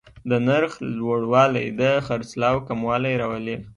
د نرخ لوړوالی د خرڅلاو کموالی راولي.